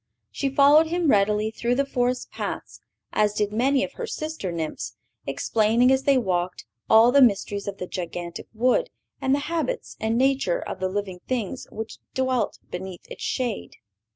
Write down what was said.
She followed him readily through the forest paths, as did many of her sister nymphs, explaining as they walked all the mysteries of the gigantic wood and the habits and nature of the living things which dwelt beneath its shade.